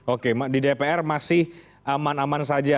oke di dpr masih aman aman saja